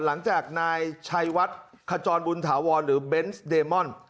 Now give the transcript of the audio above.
หลังจากนายชัยวัดขจรบุญถาวรหรือเบนส์เดมอน